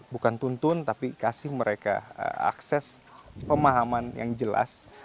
bukan tuntun tapi kasih mereka akses pemahaman yang jelas